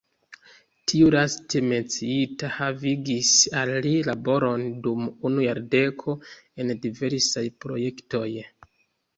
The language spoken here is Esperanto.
Tiu laste menciita havigis al li laboron dum unu jardeko en diversaj projektoj.